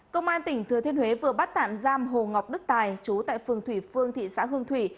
công an tỉnh thừa thiên huế vừa bắt tạm giam hồ ngọc đức tài chú tại phường thủy phương thị xã hương thủy